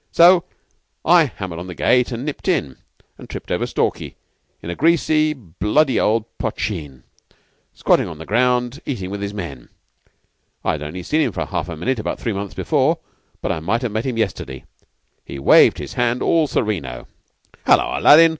So I hammered on the gate and nipped in, and tripped over Stalky in a greasy, bloody old poshteen, squatting on the ground, eating with his men. I'd only seen him for half a minute about three months before, but I might have met him yesterday. He waved his hand all sereno. "'Hullo, Aladdin!